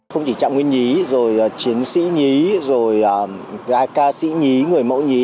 không chỉ trạng nguyên nhí rồi chiến sĩ nhí rồi ca sĩ nhí người mẫu nhí